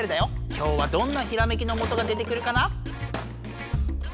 今日はどんなひらめきのもとが出てくるかな？